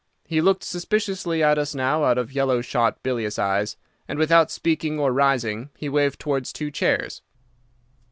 He looked suspiciously at us now out of yellow shot, bilious eyes, and, without speaking or rising, he waved towards two chairs.